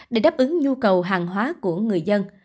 để đáp ứng nhu cầu hàng hóa của người dân